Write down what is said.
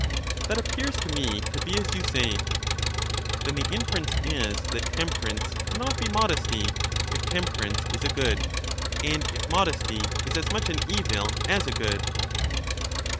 That appears to me to be as you say. Then the inference is, that temperance can not be modesty — if temperance is a good, and if modesty is as much an evil as a good?